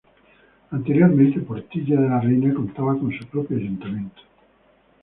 Anteriormente, Portilla de la Reina, contaba con su propio ayuntamiento.